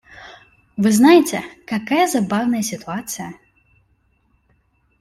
Вы знаете, какая забавная ситуация.